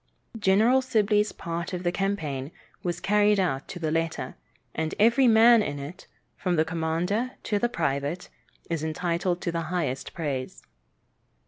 General Sibley's part of the campaign was carried out to the letter, and every man in it, from the commander to the private, is entitled to the highest praise.